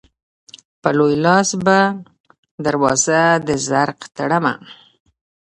په لوی لاس به دروازه د رزق تړمه